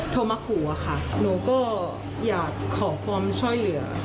โทรมาขู่อะค่ะหนูก็อยากขอความช่วยเหลือ